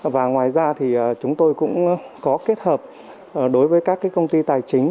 và ngoài ra thì chúng tôi cũng có kết hợp đối với các công ty tài chính